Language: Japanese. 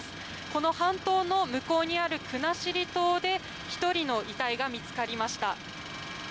この半島の向こうにある国後島で１人の遺体が見つかりました。